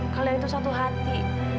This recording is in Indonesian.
kalian itu satu hati